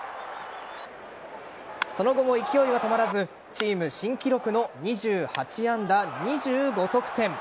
その後も勢いは止まらずチーム新記録の２８安打２５得点。